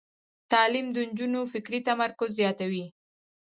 تعلیم د نجونو فکري تمرکز زیاتوي.